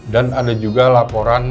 dan ada juga laporan